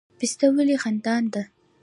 پسته ولې خندان ده؟